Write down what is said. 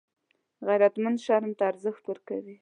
غیرتمند شرم ته ارزښت ورکوي